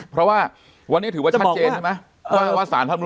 เพราะว่าวันนี้ถือว่าชัดเจนใช่ไหม